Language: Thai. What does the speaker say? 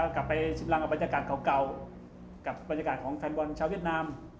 กำลังเอาบรรยากาศเก่ากับบรรยากาศของแฟนบอลชาวเวียดนาม